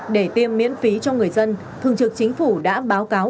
để tiêm miễn phí cho người dân thường trực chính phủ đã báo cáo